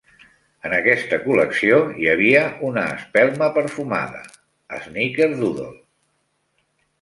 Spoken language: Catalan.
En aquesta col·lecció hi havia una espelma perfumada "snickerdoodle".